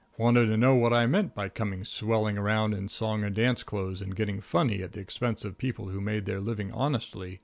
Wanted to know what I meant by coming swelling around in song and dance clothes and getting funny at the expense of people who made their living honestly.